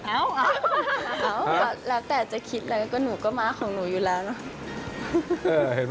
เอาแล้วแต่จะคิดอะไรก็หนูก็ม้าของหนูอยู่แล้วเนอะ